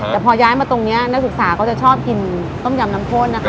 แต่พอย้ายมาตรงนี้นักศึกษาก็จะชอบกินต้มยำน้ำข้นนะคะ